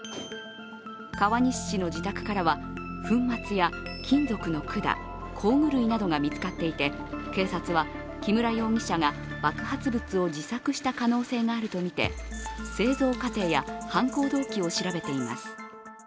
川西市の自宅からは粉末や金属の管、工具類などが見つかっていて警察は木村容疑者が爆発物を自作した可能性があるとみて製造過程や犯行動機を調べています。